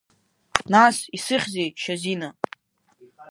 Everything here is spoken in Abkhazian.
Нас, исыхьзеи, Шьазина?